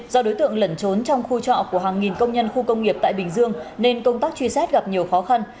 do đối tượng lẩn trốn trong khu trọ của hàng nghìn công nhân khu công nghiệp tại bình dương nên công tác truy xét gặp nhiều khó khăn